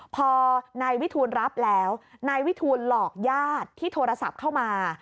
พอนายวิทูลรับแล้วนายวิทูลหลอกญาติที่โทรศัพท์เข้ามา